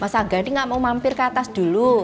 mas angga ini gak mau mampir ke atas dulu